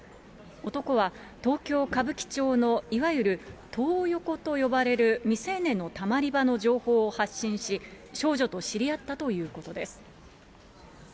男は東京・歌舞伎町の、いわゆるとうよこと呼ばれる未成年のたまり場の情報を発信し、少女と知り合ったということです。